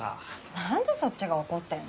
何でそっちが怒ってんの？